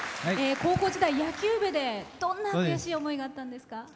高校時代、野球部でどんな悔しい思いがあったんですか？